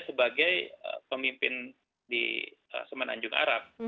sebagai pemimpin di semenanjung arab